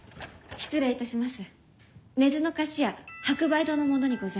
失礼いたします。